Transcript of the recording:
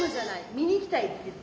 見に来たいっていって。